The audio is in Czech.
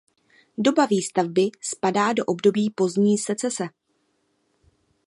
Doba výstavby spadá do období pozdní secese.